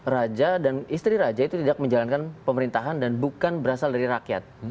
raja dan istri raja itu tidak menjalankan pemerintahan dan bukan berasal dari rakyat